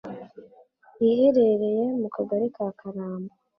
iherereye mu kagari ka Karambo